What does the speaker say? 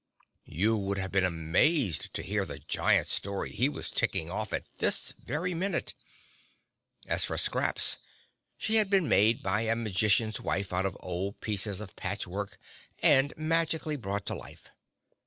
You would have been amazed to hear the giant story he was ticking off at this very minute. As for Scraps, she had been made by a magician's wife out of old pieces of patch work and magically brought to life.